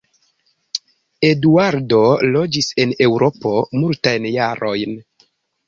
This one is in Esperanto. Eduardo loĝis en Eŭropo multajn jarojn.